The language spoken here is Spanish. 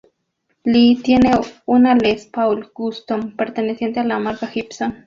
Lee tiene una Les Paul Custom perteneciente a la marca Gibson.